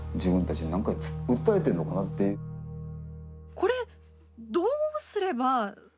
これ、どうすれば。